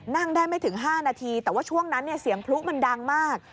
นั่งได้ไม่ถึง๕นาทีแต่ว่าช่วงนั้นเสียงพลุมันดังมาก